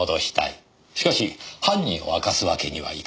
しかし犯人を明かすわけにはいかない。